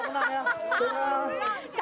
habis semua ya